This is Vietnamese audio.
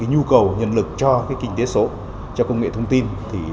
nhu cầu nhân lực cho kinh tế số cho công nghệ thông tin